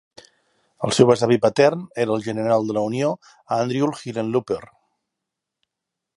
El seu besavi patern era el general de la unió Andrew Hickenlooper.